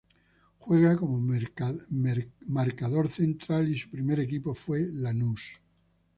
Juega como marcador central y su primer equipo fue Lanús.